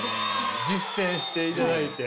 実践していただいて。